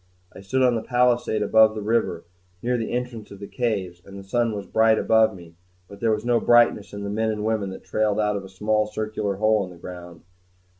I stood on the palisade above the river, near the entrance of the caves; and the sun was bright above me; but there was no brightness in the men and women that trailed out of a small circular hole in the ground.